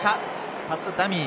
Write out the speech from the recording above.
パスダミー。